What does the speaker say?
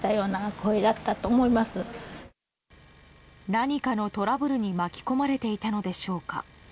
何かのトラブルに巻き込まれていたのでしょうか。